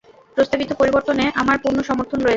প্রস্তাবিত পরিবর্তনে আমার পূর্ণ সমর্থন রয়েছে।